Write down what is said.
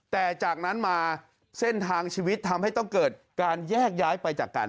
แต่จากนั้นมาเส้นทางชีวิตทำให้ต้องเกิดการแยกย้ายไปจากกัน